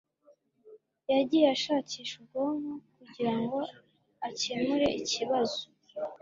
yagiye ashakisha ubwonko kugirango akemure ikibazo.